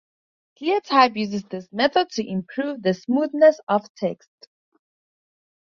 ClearType uses this method to improve the smoothness of text.